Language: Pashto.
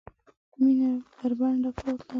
مېنه بربنډه پاته